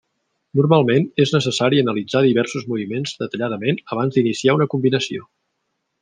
Normalment és necessari analitzar diversos moviments detalladament abans d'iniciar una combinació.